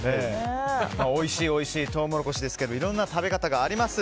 おいしいおいしいトウモロコシですけどもいろんな食べ方があります。